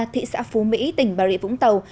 thị xã phú mỹ tỉnh bà rịa vũng tàu